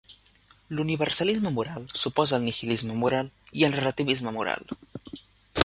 L'universalisme moral s'oposa al nihilisme moral i al relativisme moral.